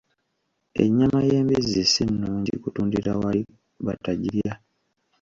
Ennyama y'embizzi si nnungi kutundira wali batagirya.